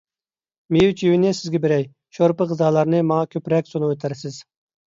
مېۋە - چېۋىنى سىزگە بېرەي، شورپا - غىزالارنى ماڭا كۆپرەك سۇنۇۋېتەرسىز.